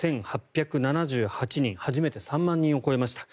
３万１８７８人初めて３万人を超えました。